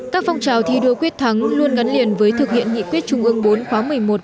các phong trào thi đua quyết thắng luôn gắn liền với thực hiện nghị quyết trung ương bốn khóa một mươi một một mươi hai